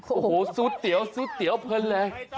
โอ้โหสู้เตี๋ยวเพลงเลย